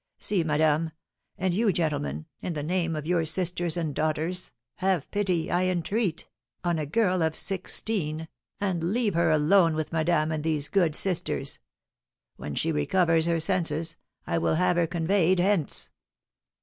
See, madame; and you, gentlemen, in the name of your sisters and daughters, have pity, I entreat, on a girl of sixteen, and leave her alone with madame and these good sisters; when she recovers her senses, I will have her conveyed hence."